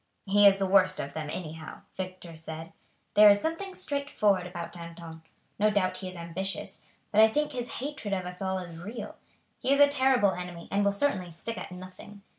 "He is the worst of them, anyhow," Victor said. "There is something straightforward about Danton. No doubt he is ambitious, but I think his hatred of us all is real. He is a terrible enemy, and will certainly stick at nothing.